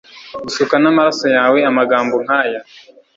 gusuka namaraso yawe amagambo nkaya